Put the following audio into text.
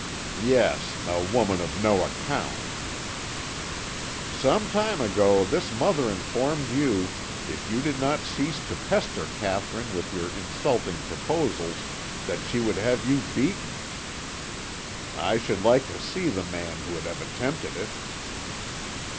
"Yes; a woman of no account." "Some time ago this mother informed you, if you did not cease to pester Katherine with your insulting proposals, that she would have you beaten." "I should like to see the man who would have attempted it."